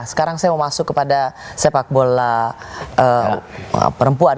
sekarang saya mau masuk kepada sepak bola perempuan